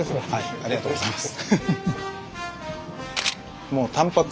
ありがとうございます。